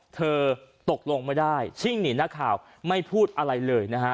เธอตกลงไม่ได้ชิ่งหนีนักข่าวไม่พูดอะไรเลยนะฮะ